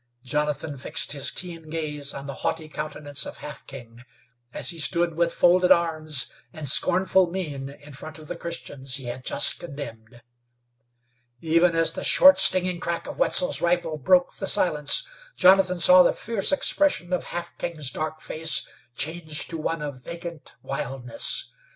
Jonathan fixed his keen gaze on the haughty countenance of Half King as he stood with folded arms and scornful mien in front of the Christians he had just condemned. Even as the short, stinging crack of Wetzel's rifle broke the silence, Jonathan saw the fierce expression of Half King's dark face change to one of vacant wildness.